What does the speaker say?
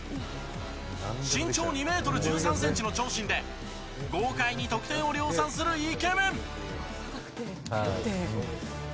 身長２ｍ１３ｃｍの長身で豪快に得点を量産するイケメン。